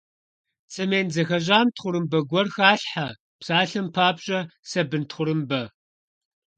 Цемент зэхэщӀам тхъурымбэ гуэр халъхьэ, псалъэм папщӀэ, сабын тхъурымбэ.